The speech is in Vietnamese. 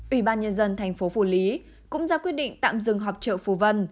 ủy ban nhân dân thành phố phủ lý cũng ra quyết định tạm dừng họp chợ phù vân